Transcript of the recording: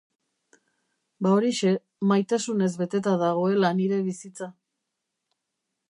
Ba horixe, maitasunez beteta dagoela nire bizitza.